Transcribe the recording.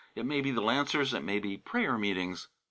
It may be the Lancers, and it may be prayer meetings.